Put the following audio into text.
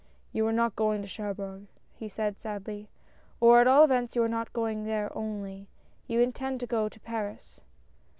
"You are not going to Cherbourg," he said sadly, " or, at all events, you are not going there only : you intend to go to Paris."